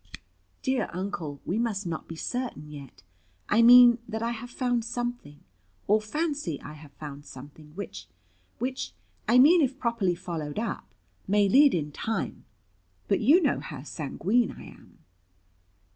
"Dear Uncle, we must not be certain yet. I mean that I have found something, or fancy I have found something, which which I mean if properly followed up may lead in time but you know how sanguine I am."